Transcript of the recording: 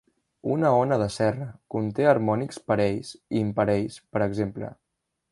Una ona de serra, conté harmònics parells i imparells, per exemple.